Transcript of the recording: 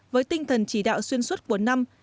với tinh thần chỉ đạo xuyên suốt của năm